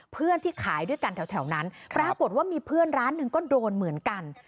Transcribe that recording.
เพื่อนที่ขายด้วยกันแถวนั้นปรากฏว่ามีเพื่อนร้านหนึ่งก็โดนเหมือนกัน